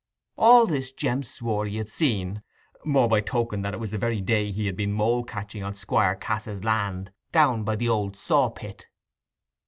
All this Jem swore he had seen, more by token that it was the very day he had been mole catching on Squire Cass's land, down by the old saw pit.